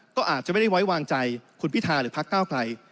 ก็อาจจะไม่ได้ไว้วางใจคุณพิธาหรือพักก้าวไกล